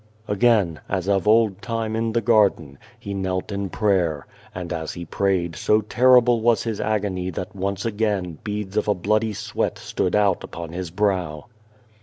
Again, as of old time in the garden, He knelt in prayer ; and as He prayed so terrible was His agony that once again beads of a bloody sweat stood out upon His brow.